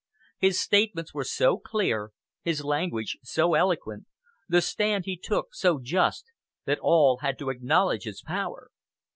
His statements were so clear, his language so eloquent, the stand he took so just, that all had to acknowledge his power.